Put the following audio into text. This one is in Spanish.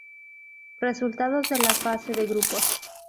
Resultados de la fase de grupos.